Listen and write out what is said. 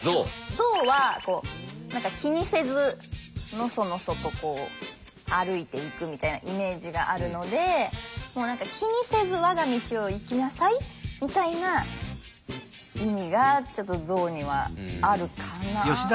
象はこう気にせずのそのそとこう歩いていくみたいなイメージがあるのでもう何か気にせず我が道を行きなさいみたいな意味がちょっと象にはあるかなあ。